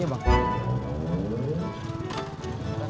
siapa yang diobati